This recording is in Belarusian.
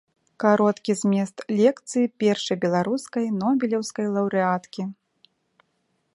Кароткі змест лекцыі першай беларускай нобелеўскай лаўрэаткі.